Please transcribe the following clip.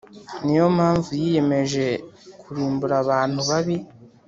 Ni yo mpamvu yiyemeje kurimbura abantu babi